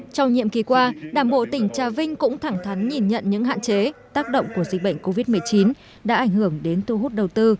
trong nhiệm ký qua đảng bộ tỉnh trà vinh cũng thẳng thắn nhìn nhận những hạn chế tác động của dịch bệnh covid một mươi chín đã ảnh hưởng đến thu hút đầu tư